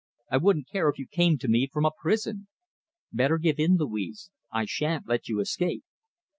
I wouldn't care if you came to me from a prison. Better give in, Louise. I shan't let you escape."